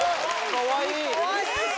かわいい。